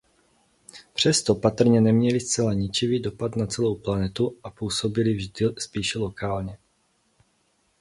Přesto patrně neměly zcela ničivý dopad na celou planetu a působily vždy spíše lokálně.